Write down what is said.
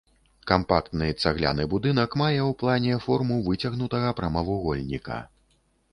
Кампактны цагляны будынак мае ў плане форму выцягнутага прамавугольніка.